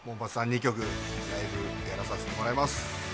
２曲ライブやらさせてもらいます